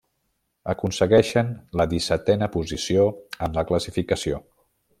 Aconsegueixen la dissetena posició en la classificació.